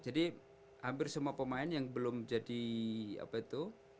jadi hampir semua pemain yang belum jadi apa itu